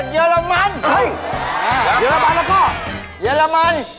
เยอรมัน